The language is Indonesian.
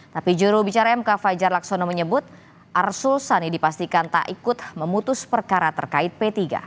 tapi juru bicara mk fajar laksono menyebut arsul sani dipastikan tak ikut memutus perkara terkait p tiga